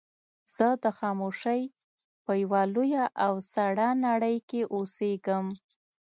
زه د خاموشۍ په يوه لويه او سړه نړۍ کې اوسېږم.